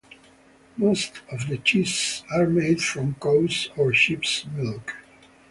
Most of the cheeses are made from cow's or sheep's milk.